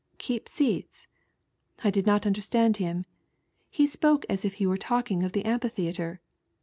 ' Keep seats !" I did not understand him. He spoke as if he were talking of the amphitheatre.